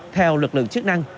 theo lực lượng chức năng